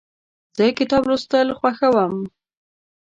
زه کتاب لوستل خوښوم.